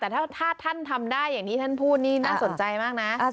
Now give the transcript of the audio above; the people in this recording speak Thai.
แต่ถ้าท่านทำได้อย่างที่ท่านพูดนี่น่าสนใจมากนะ